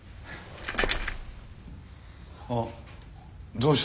あどうした？